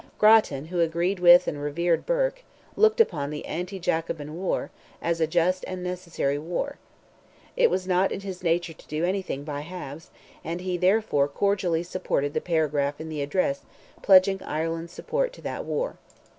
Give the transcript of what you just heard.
Grattan, who agreed with and revered Burke, looked upon the "anti Jacobin war," as a just and necessary war. It was not in his nature to do anything by halves, and he therefore cordially supported the paragraph in the address pledging Ireland's support to that war.